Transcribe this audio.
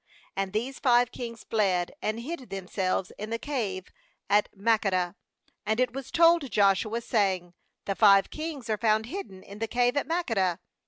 16And these five kings fled, and hid themselves in the cave at Makkedah. 17And it was told Joshua, saying: 'The five kings are found, hidden in the cave at Makkedah.'